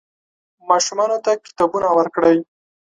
ماشومانو ته کتابونه ورکړئ.